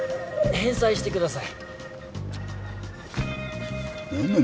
返済してください。